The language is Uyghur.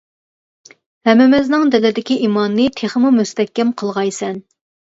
ھەممىمىزنىڭ دىلىدىكى ئىماننى تېخىمۇ مۇستەھكەم قىلغايسەن.